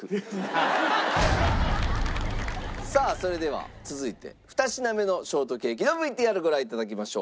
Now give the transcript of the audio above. さあそれでは続いて２品目のショートケーキのＶＴＲご覧頂きましょう。